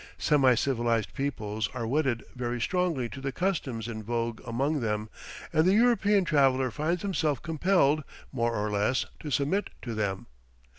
Semi civilized peoples are wedded very strongly to the customs in vogue among them, and the European traveller finds himself compelled, more or less, to submit to them.